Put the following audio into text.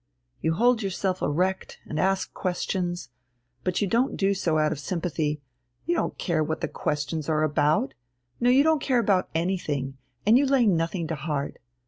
You hold yourself erect, and ask questions, but you don't do so out of sympathy, you don't care what the questions are about no, you don't care about anything, and you lay nothing to heart.